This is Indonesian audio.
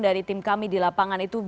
dari tim kami di lapangan itu